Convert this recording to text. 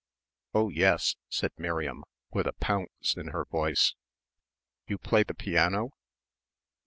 "Oh, yes," said Miriam, with a pounce in her voice. "You play the piano?"